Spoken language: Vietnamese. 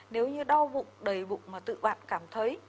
nếu như đau bụng đầy bụng mà tự bạn cảm thấy